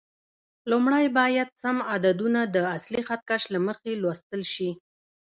لومړی باید سم عددونه د اصلي خط کش له مخې لوستل شي.